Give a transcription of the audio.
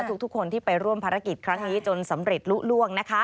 ทุกคนที่ไปร่วมภารกิจครั้งนี้จนสำเร็จลุล่วงนะคะ